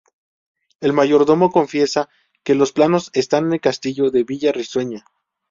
El mayordomo confiesa que los planos están en el castillo de Villa Risueña.